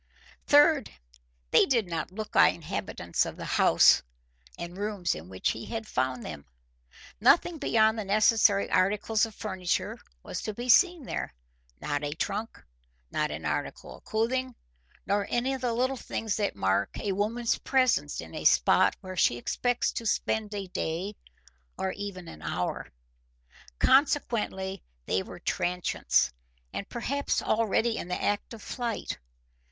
Third, they did not look like inhabitants of the house and rooms in which he found them. Nothing beyond the necessary articles of furniture was to be seen there; not a trunk, not an article of clothing, nor any of the little things that mark a woman's presence in a spot where she expects to spend a day or even an hour. Consequently they were transients and perhaps already in the act of flight.